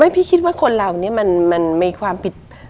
พี่คิดว่าคนเรามันมีความผิด